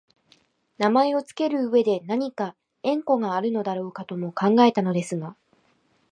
名前をつける上でなにか縁故があるのだろうかとも考えたのですが、